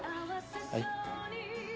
はい？